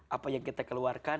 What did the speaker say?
apa yang kita keluarkan